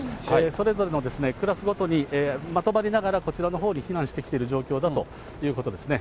それぞれのクラスごとにまとまりながら、こちらのほうに避難してきている状況だということですね。